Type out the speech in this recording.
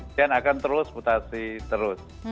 dan akan terus mutasi terus